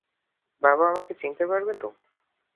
বাবা আমাকে চিনতে পারবে তো?